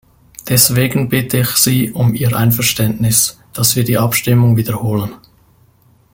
Deswegen bitte ich Sie um Ihr Einverständnis, dass wir die Abstimmung wiederholen.